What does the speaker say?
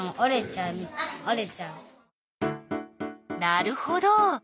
なるほど。